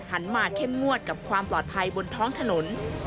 หันมาเข้มงวดกับความปลอดภัยบนท้องถนน